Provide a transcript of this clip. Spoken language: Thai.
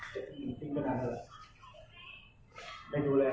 ไปอย่างเรื่องแรกไม่อยู่รอย